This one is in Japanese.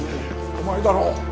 お前だろ？